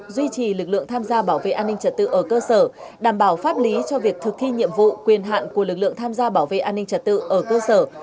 duy trì lực lượng tham gia bảo vệ an ninh trật tự ở cơ sở đảm bảo pháp lý cho việc thực thi nhiệm vụ quyền hạn của lực lượng tham gia bảo vệ an ninh trật tự ở cơ sở